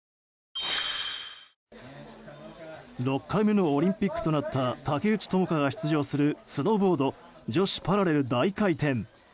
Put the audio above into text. ６回目のオリンピックとなった竹内智香が出場するスノーボード女子パラレル大回転。